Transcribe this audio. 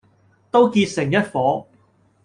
都結成一夥，